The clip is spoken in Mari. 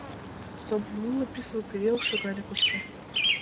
Сомыл уло, — писын кынел шогале Костя.